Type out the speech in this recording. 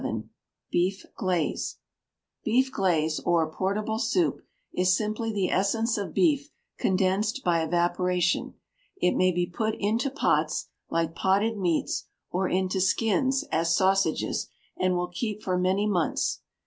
Beef Glaze. Beef glaze, or portable soup, is simply the essence of beef condensed by evaporation. It may be put into pots, like potted meats, or into skins, as sausages, and will keep for many months.